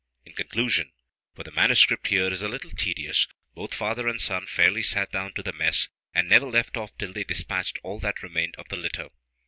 In conclusion (for the manuscript here is a little tedious) both father and son fairly sat down to the mess, and never left off till they despatched all that remained of the litter.